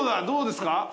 どうですか？